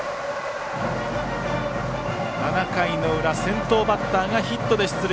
７回の裏、先頭バッターがヒットで出塁。